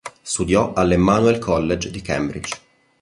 Studiò al Emmanuel College di Cambridge.